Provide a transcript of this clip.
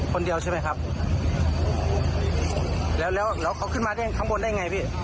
คนเดียวใช่ไหมครับแล้วแล้วเขาขึ้นมาได้ข้างบนได้ไงพี่